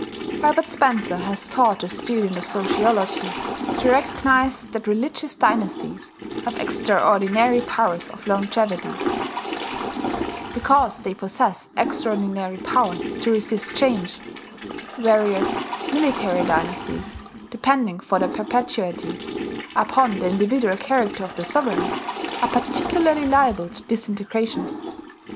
Herbert Spencer has taught the student of sociology to recognize that religious dynasties have extraordinary powers of longevity, because they possess extraordinary power to resist change; whereas military dynasties, depending for their perpetuity upon the individual character of their sovereigns, are particularly liable to disintegration.